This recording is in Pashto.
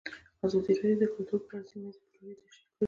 ازادي راډیو د کلتور په اړه سیمه ییزې پروژې تشریح کړې.